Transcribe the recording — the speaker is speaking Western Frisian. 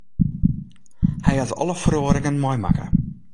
Hy hat alle feroaringen meimakke